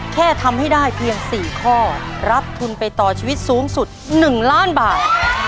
แค่ทำให้ได้เพียง๔ข้อรับทุนไปต่อชีวิตสูงสุด๑ล้านบาท